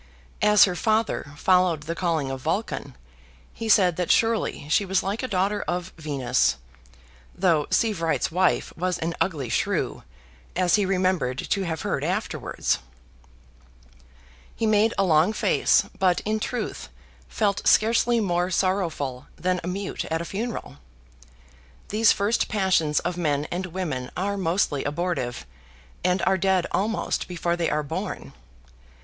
As her father followed the calling of Vulcan, he said that surely she was like a daughter of Venus, though Sievewright's wife was an ugly shrew, as he remembered to have heard afterwards. He made a long face, but, in truth, felt scarcely more sorrowful than a mute at a funeral. These first passions of men and women are mostly abortive; and are dead almost before they are born.